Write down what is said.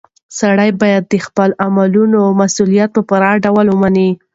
سړی باید د خپلو اعمالو مسؤلیت په پوره ډول ومني.